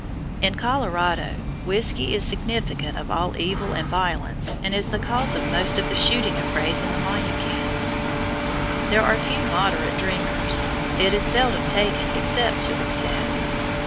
In Colorado whisky is significant of all evil and violence and is the cause of most of the shooting affrays in the mining camps. There are few moderate drinkers; it is seldom taken except to excess.